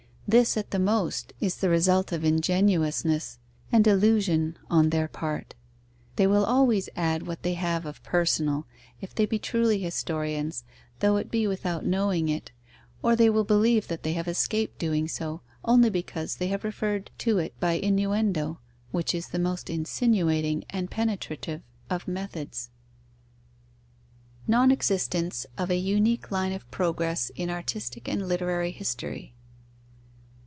This, at the most, is the result of ingenuousness and illusion on their part: they will always add what they have of personal, if they be truly historians, though it be without knowing it, or they will believe that they have escaped doing so, only because they have referred to it by innuendo, which is the most insinuating and penetrative of methods. _Non existence of a unique line of progress in artistic and literary history.